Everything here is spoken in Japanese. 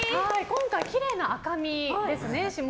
今回、きれいな赤身ですね。